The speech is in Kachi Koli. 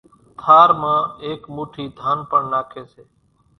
ٿار مان ايڪ موٺي ڌان پڻ ناکي سي